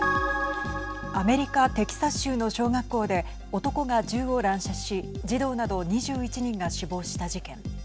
アメリカ、テキサス州の小学校で男が銃を乱射し児童など２１人が死亡した事件。